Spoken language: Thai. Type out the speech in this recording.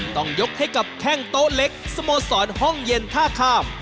ต้องยกให้กับแข้งโต๊ะเล็กสโมสรห้องเย็นท่าข้าม